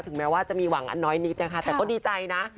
แม้ว่าจะมีหวังอันน้อยนิดนะคะแต่ก็ดีใจนะ